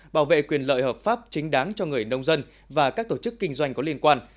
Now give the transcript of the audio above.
bảo vệ quyền lợi hợp pháp chính đáng cho người nông dân và các tổ chức kinh doanh có liên quan